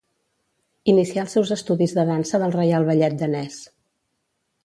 Inicià els seus estudis de dansa del Reial Ballet danès.